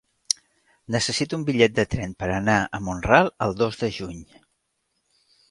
Necessito un bitllet de tren per anar a Mont-ral el dos de juny.